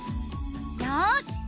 よし！